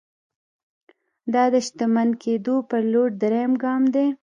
دا د شتمن کېدو پر لور درېيم ګام دی.